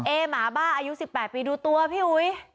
หมาบ้าอายุ๑๘ปีดูตัวพี่อุ๋ย